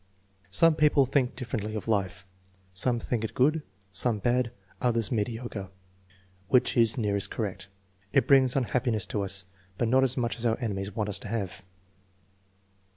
"Some people think differently of life. Some think it good, some bad, others mediocre, which is nearest correct. It brings unhappi ness to us, but not as much as our enemies want us to have."